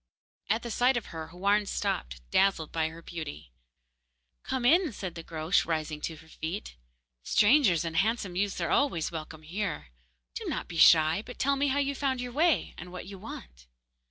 At the sight of her Houarn stopped, dazzled by her beauty. 'Come in,' said the Groac'h, rising to her feet. 'Strangers and handsome youths are always welcome here. Do not be shy, but tell me how you found your way, and what you want.